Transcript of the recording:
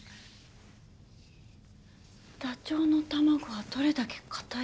「ダチョウの卵はどれだけ固い？」。